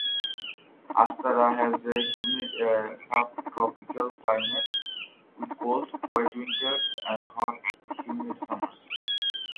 Astara has a humid subtropical climate with cold, wet winters and hot, humid summers.